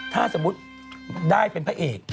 ถ้าใครได้เป็นพระเอก